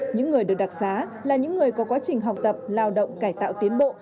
những người được đặc xá là những người có quá trình học tập lao động cải tạo tiến bộ